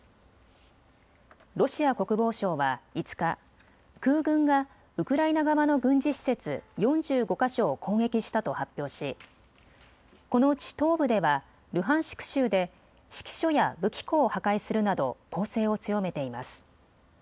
ロシア国防省は５日、空軍がウクライナ側の軍事施設４５か所を攻撃したと発表しこのうち東部ではルハンシク州で指揮所や武器庫を破壊するなど攻勢を強めています。